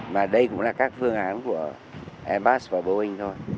mà đây cũng là các phương án của airbus và boeing thôi